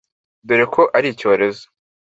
dore ko ari icyorezo